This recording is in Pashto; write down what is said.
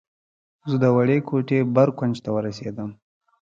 زه د وړې کوټې بر کونج ته ورسېدم.